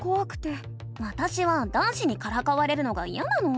わたしは男子にからかわれるのがいやなの。